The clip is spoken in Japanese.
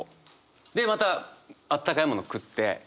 でまたあったかいもの食って。